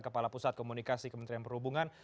kepala pusat komunikasi kementerian perhubungan